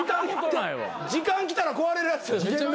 時間きたら壊れるやつ。